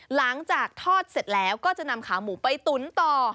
หลังจากทอดเสร็จแล้วก็จะนำขาหมูไปตุ๋นต่อ